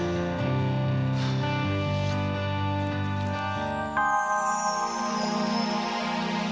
tidak tidak jangan jangan